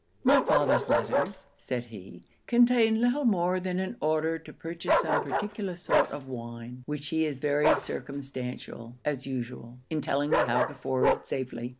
'My father's letters,' said he, 'contain little more than an order to purchase some particular sort of wine which he is very circumstantial, as usual, in telling me how to forward safely.